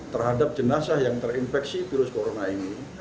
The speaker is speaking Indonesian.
terhadap jenazah yang terinfeksi virus corona ini